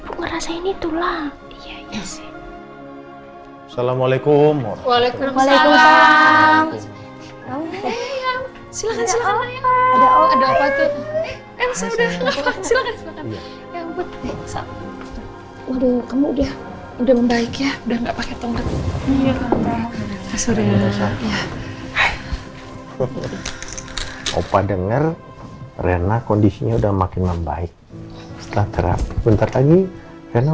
hai opa denger rena kondisinya udah makin membaik setelah terapi bentar lagi karena